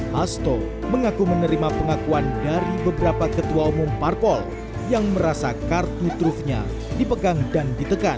hasto mengaku menerima pengakuan dari beberapa ketua umum parpol yang merasa kartu trufnya dipegang dan ditekan